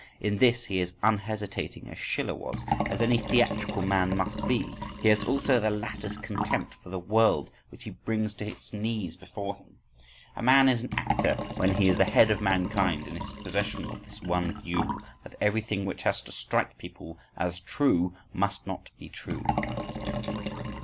—In this he is as unhesitating as Schiller was, as any theatrical man must be; he has also the latter's contempt for the world which he brings to its knees before him. A man is an actor when he is ahead of mankind in his possession of this one view, that everything which has to strike people as true, must not be true.